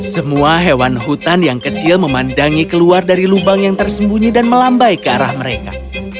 semua hewan hutan yang kecil memandangi keluar dari lubang yang tersembunyi dan melambai ke arah mereka